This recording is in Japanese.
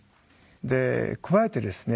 で加えてですね